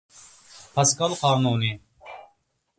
پاسكال قانۇنى